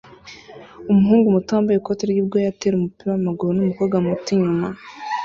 Umuhungu muto wambaye ikoti ryubwoya atera umupira wamaguru numukobwa muto inyuma